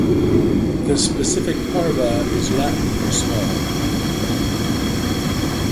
The specific "parva" is Latin for "small".